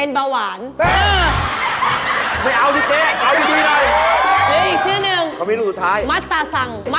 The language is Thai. ใช่เหมือนที่นะ